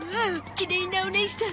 きれいなおねいさん。